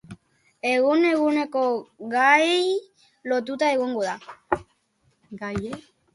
Egun eguneko gaiei lotuta egongo da.